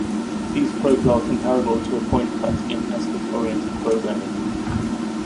These probes are comparable to a pointcut in aspect-oriented programming.